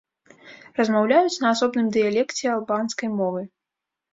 Размаўляюць на асобным дыялекце албанскай мовы.